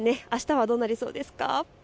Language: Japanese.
あしたはどうなりそうですか。